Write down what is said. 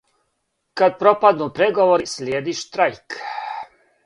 "Кад пропадну преговори, слиједи штрајк.